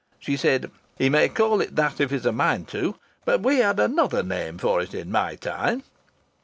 She said, 'He may call it that if he's a mind to, but we had another name for it in my time.'